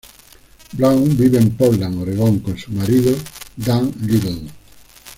Brown vive en Portland, Oregón, con su marido Dan Little.